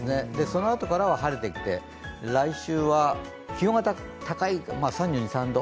そのあとからは晴れてきて来週からは気温が高い、３２３３度。